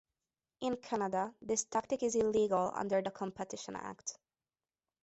In Canada, this tactic is illegal under the "Competition Act".